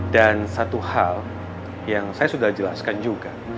dan satu hal yang saya sudah jelaskan juga